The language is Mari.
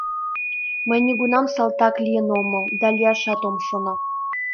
Мый нигунам салтак лийын омыл да лияшат ом шоно.